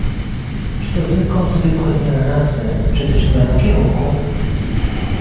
Czy to tylko zwykła zmiana nazwy, czy też zmiana kierunku?